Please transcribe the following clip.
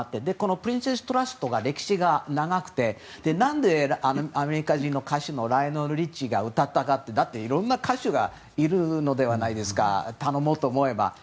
プリンセストラストが歴史が長くて何でアメリカ人の歌手のライオネル・リッチーが歌ったかというといろんな歌手がいるじゃないですか頼もうと思えば。